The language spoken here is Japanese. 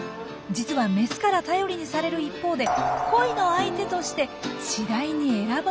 実はメスから頼りにされる一方で恋の相手として次第に選ばれなくなっていたんです。